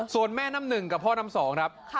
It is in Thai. ส่วนแม่น้ำหนึ่งกับพ่อน้ำสองครับ